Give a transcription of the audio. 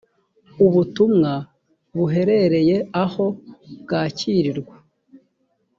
ubutumwa buhereye aho bwakirirwa